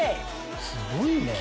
すごいね。